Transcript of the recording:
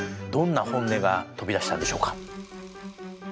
どんな本音が飛び出したんでしょうか。